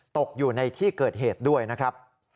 ตกอยู่ในที่เกิดเหตุด้วยนะครับ